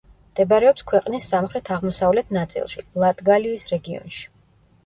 მდებარეობს ქვეყნის სამხრეთ-აღმოსავლეთ ნაწილში, ლატგალიის რეგიონში.